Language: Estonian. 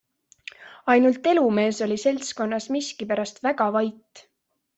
Ainult Elumees oli seltskonnas miskipärast väga vait.